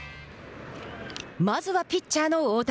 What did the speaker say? まずはピッチャーの大谷。